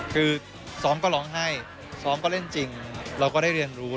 คือซ้อมก็ร้องไห้ซ้อมก็เล่นจริงเราก็ได้เรียนรู้